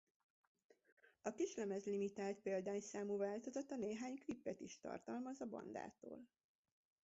A kislemez limitált példányszámú változata néhány klipet is tartalmaz a bandától.